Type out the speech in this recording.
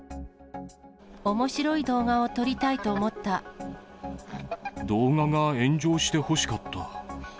おもしろい動画を撮りたいと動画が炎上してほしかった。